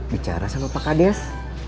bicara sama pak kades